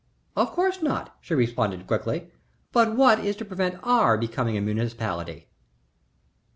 "Of course not," she responded, quickly. "But what is to prevent our becoming a municipality?"